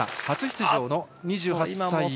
初出場の２８歳。